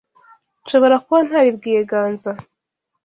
Nshobora kuba ntabibwiye Ganza